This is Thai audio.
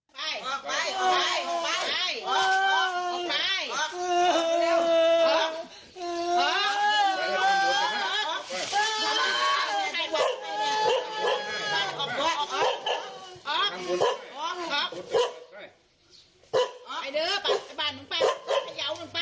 โอ๊คไปดูมึงไปไทยาวนึงไป